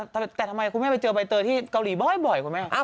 ทำไมคุณแม่เจอใบเตอร์ที่เกาหลีบ่อยมั้ย